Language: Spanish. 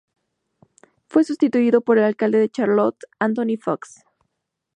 Fue sustituido por el alcalde de Charlotte, Anthony Foxx.